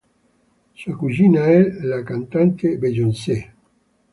Sua cugina è la cantante Beyoncé.